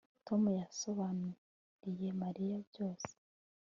Tom yasobanuriye Mariya byose